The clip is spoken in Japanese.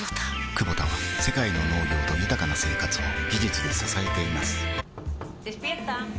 クボタは世界の農業と豊かな生活を技術で支えています起きて。